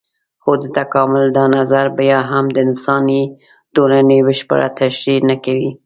خو د تکامل دا نظر بيا هم د انساني ټولنې بشپړه تشرېح نه کوي.